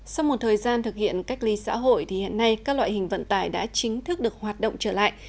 sau một thời gian thực hiện cách ly xã hội thì hiện nay các loại hình vận tải đã chính thức được hoạt động trở lại